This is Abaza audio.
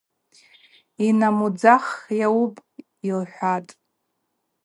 Йанамудзах – Йауыпӏ, – йлырхӏватӏ.